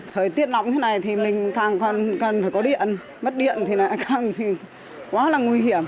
thời tiết nóng thế này thì mình càng cần phải có điện mất điện thì càng quá là nguy hiểm